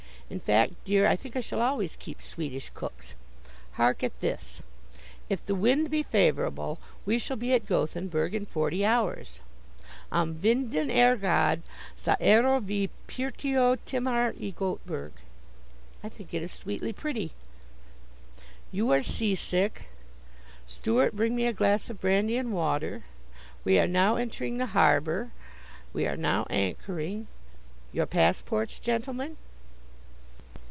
In fact, dear, I think I shall always keep Swedish cooks. Hark at this: 'If the wind be favorable, we shall be at Gothenburg in forty hours.' 'Om vinden är god, sa äro vi pa pyrtio timmar i Goteborg.' I think it is sweetly pretty. 'You are seasick.' 'Steward, bring me a glass of brandy and water.' 'We are now entering the harbor.' 'We are now anchoring.' 'Your passports, gentlemen.'"